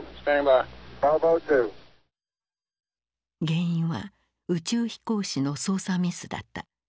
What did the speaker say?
原因は宇宙飛行士の操作ミスだった。